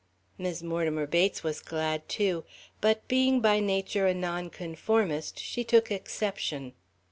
Mis' Mortimer Bates was glad, too, but being by nature a nonconformist, she took exception.